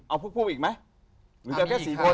เอาพวกอีกไหมหรือจะเอาแค่สี่คน